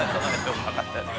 うまかったです。